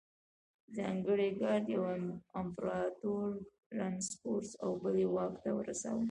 ځانګړي ګارډ یو امپرتور رانسکور او بل یې واک ته رساوه